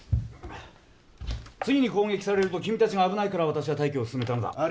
次に攻撃されると君たちが危ないから私は退去を勧めたのだ。